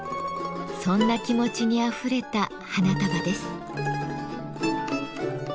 そんな気持ちにあふれた花束です。